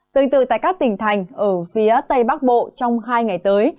tương tự tại các tỉnh thành ở phía tây bắc bộ trong hai ngày tới